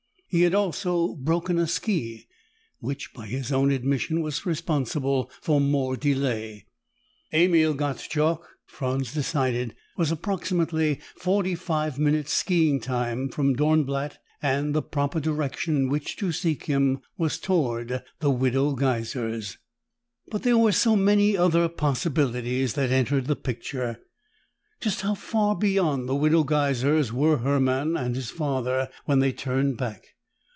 He had also broken a ski, which, by his own admission, was responsible for more delay. Emil Gottschalk, Franz decided, was approximately forty five minutes' skiing time from Dornblatt and the proper direction in which to seek him was toward the Widow Geiser's. But there were so many other possibilities that entered the picture. Just how far beyond the Widow Geiser's were Hermann and his father when they turned back?